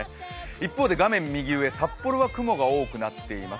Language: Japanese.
一方で画面右上、札幌は雲が多くなっています。